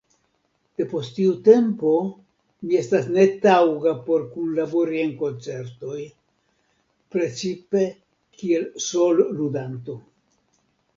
De post tiu tempo mi estas netaŭga por kunlabori en koncertoj, precipe kiel solludanto.